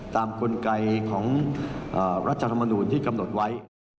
ตามกลไกของรัฐจันทมนุษย์ที่กำหนดไว้